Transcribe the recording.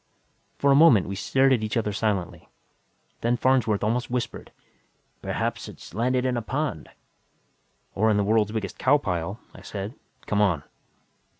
For a moment, we stared at each other silently. Then Farnsworth almost whispered, "Perhaps it's landed in a pond." "Or in the world's biggest cow pile," I said. "Come on!"